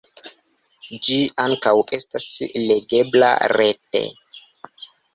Ĝi ankaŭ estas legebla rete.